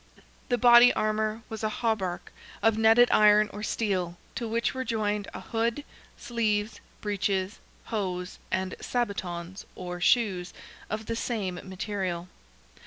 The body armour was a hauberk of netted iron or steel, to which were joined a hood, sleeves, breeches, hose and sabatons, or shoes, of the same material.